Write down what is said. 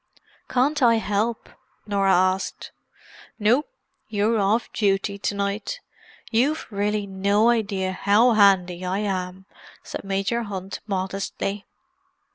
"Can't I help?" Norah asked. "No—you're off duty to night. You've really no idea how handy I am!" said Major Hunt modestly.